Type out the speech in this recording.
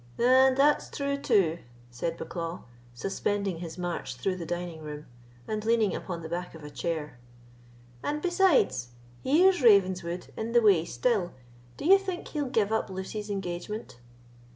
"And that's true too," said Bucklaw, suspending his march through the dining room, and leaning upon the back of a chair. "And besides, here's Ravenswood in the way still, do you think he'll give up Lucy's engagement?"